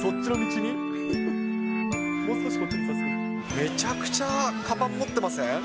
めちゃくちゃかばん持ってません？